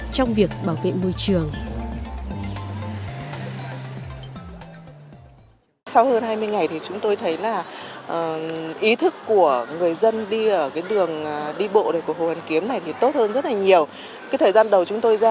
trong việc bảo vệ môi trường